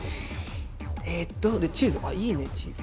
えっとチーズいいねチーズ。